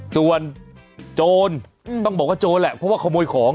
ส่วนโจรต้องบอกว่าโจรแหละเพราะว่าขโมยของ